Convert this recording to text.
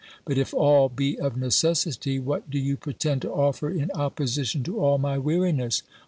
— But if all be of necessity, what do you pretend to offer in opposition to all my weariness